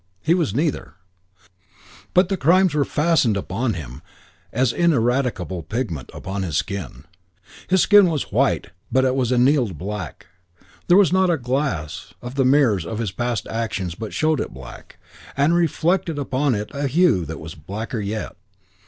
He was neither; but the crimes were fastened upon him as ineradicable pigment upon his skin. His skin was white but it was annealed black; there was not a glass of the mirrors of his past actions but showed it black and reflected upon it hue that was blacker yet.